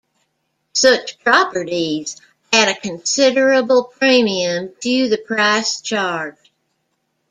Such properties add a considerable premium to the price charged.